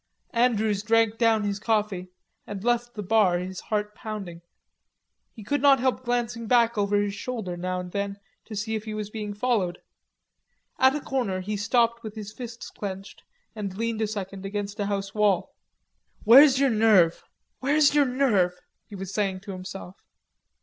Andrews drank down his coffee and left the bar, his heart pounding. He could not help glancing back over his shoulder now and then to see if he was being followed. At a corner he stopped with his fists clenched and leaned a second against a house wall. "Where's your nerve. Where's your nerve?" He was saying to himself.